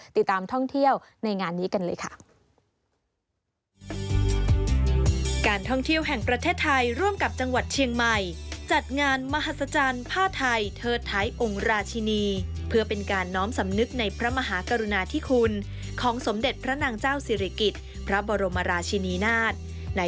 ติดตามท่องเที่ยวในงานนี้กันเลยค่ะ